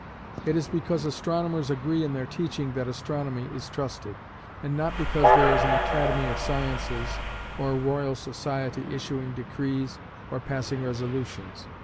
It is because astronomers agree in their teaching that astronomy is trusted, and not because there is an Academy of Sciences or a Royal Society issuing decrees or passing resolutions.